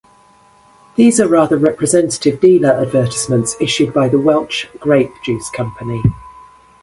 These are rather representative dealer advertisements issued by the Welch Grape Juice Company.